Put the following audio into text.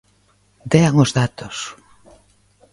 ¡Dean os datos!